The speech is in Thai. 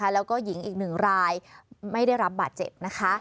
แล้วก็หญิงอีกหนึ่งรายไม่ได้รับบาดเจ็บนะคะ